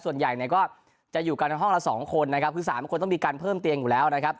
ส่วนใหญ่เนี่ยก็จะอยู่กันในห้องละ๒คนนะครับคือ๓คนต้องมีการเพิ่มเตียงอยู่แล้วนะครับ